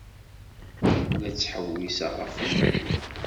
La ttḥewwiseɣ ɣef umahil.